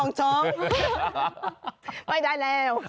ไม่ได้แล้ว